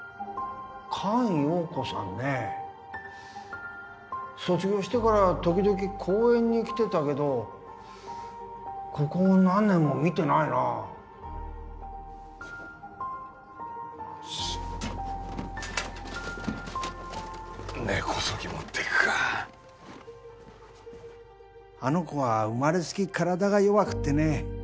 菅容子さんねぇ卒業してから時々講演に来てたけどここ何年も見てないなぁよし根こそぎ持ってくかあの子は生まれつき体が弱くってねぇ。